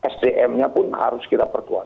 sdm nya pun harus kita perkuat